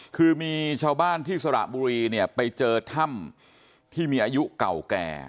คือมีชาวบ้านที่สระบุรีเนี่ยไปเจอถ้ำที่มีอายุเก่าแก่